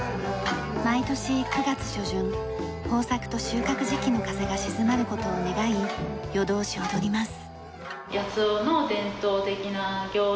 毎年９月初旬豊作と収穫時期の風が鎮まる事を願い夜通し踊ります。